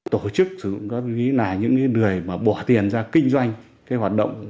tổ chức sử dụng ma túy là những người bỏ tiền ra kinh doanh